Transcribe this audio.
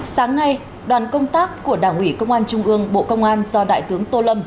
sáng nay đoàn công tác của đảng ủy công an trung ương bộ công an do đại tướng tô lâm